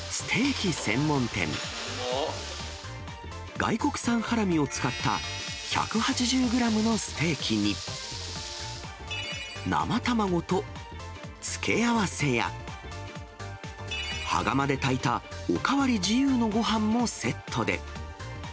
外国産ハラミを使った１８０グラムのステーキに、生卵と付け合わせや、羽釜で炊いたお代わり自由のごはんもセットで。